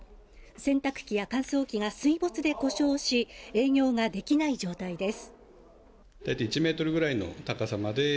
洗濯機や乾燥機が水没で故障し、営業ができない状態です。